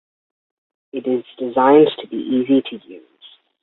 It is designed to be easy to use.